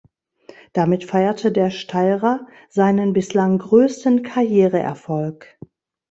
Damit feierte der Steirer seinen bislang größten Karriereerfolg.